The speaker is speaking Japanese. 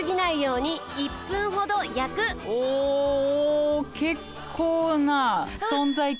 お結構な存在感。